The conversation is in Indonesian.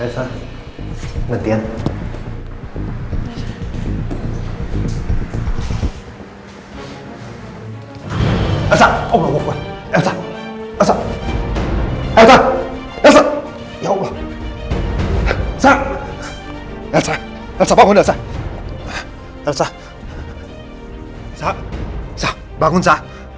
sampai jumpa di video selanjutnya